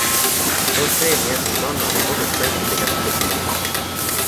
Kas oled kreemi jätnud ranna või kodus päikese kätte sesima?